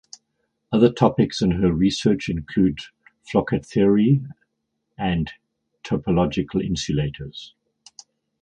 Other topics in her research include floquet theory and topological insulators.